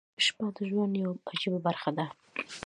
• شپه د ژوند یوه عجیبه برخه ده.